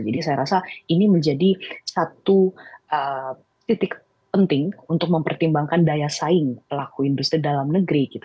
jadi saya rasa ini menjadi satu titik penting untuk mempertimbangkan daya saing pelaku industri dalam negeri gitu